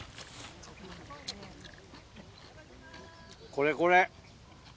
これこれ。